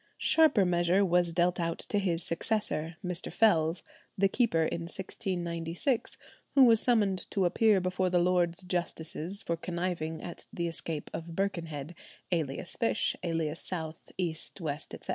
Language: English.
Sharper measure was dealt out to his successor, Mr. Fells, the keeper in 1696, who was summoned to appear before the Lords Justices for conniving at the escape of Birkenhead, alias Fish, alias South, East, West, etc.